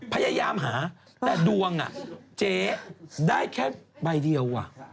พยายามหาแต่ดวงเจ๊ได้แค่ใบเดียว